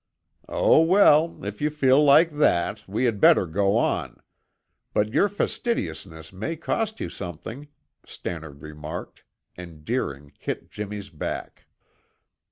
"Oh, well! If you feel like that, we had better go on; but your fastidiousness may cost you something," Stannard remarked, and Deering hit Jimmy's back.